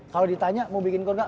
kalau ditanya mau bikin gor gak